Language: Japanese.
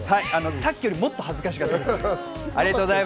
さっきよりもっと恥ずかしかったです。